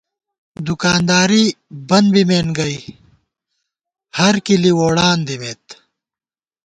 دُکانداری بن بِمېن گئ ہر کِلی ووڑان دِمېت